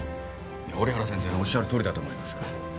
折原先生のおっしゃるとおりだと思います。